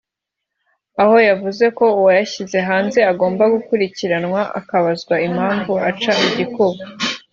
aho yavuze ko uwayashyize hanze agomba gukurikiranwa akabazwa impamvu aca igikuba